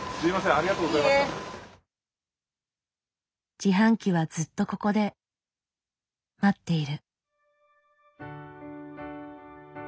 自販機はずっとここで待っている。